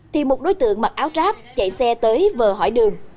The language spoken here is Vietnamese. thì một đối tượng mặc áo ráp chạy xe tới vờ hỏi đường